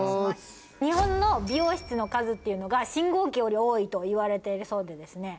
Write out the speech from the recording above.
日本の美容室の数っていうのが信号機より多いといわれているそうで。